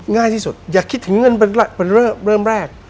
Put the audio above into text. ง่ายที่สุดอย่าคิดถึงเงินเป็นเริ่มแรก